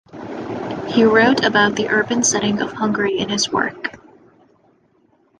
He wrote about the urban setting of Hungary in his work.